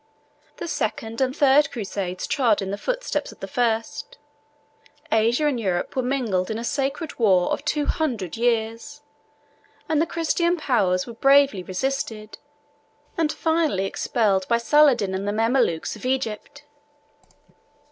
The second and third crusades trod in the footsteps of the first: Asia and Europe were mingled in a sacred war of two hundred years; and the Christian powers were bravely resisted, and finally expelled by Saladin and the Mamelukes of Egypt.